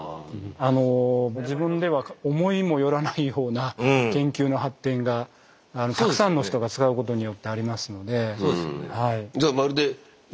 自分では思いもよらないような研究の発展がたくさんの人が使うことによってありますので。